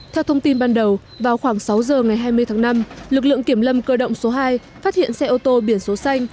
theo thông tin ban đầu vào khoảng sáu giờ ngày hai mươi tháng năm lực lượng kiểm lâm cơ động số hai phát hiện xe ô tô biển số xanh